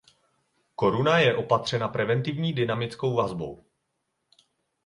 Koruna je opatřena preventivní dynamickou vazbou.